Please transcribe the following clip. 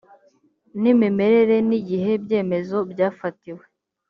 n imimerere n igihe ibyemezo byafatiwe